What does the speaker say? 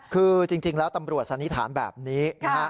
คือจริงแล้วตำรวจสนิทานแบบนี้